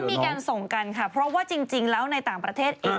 มีการส่งกันค่ะเพราะว่าจริงแล้วในต่างประเทศเอง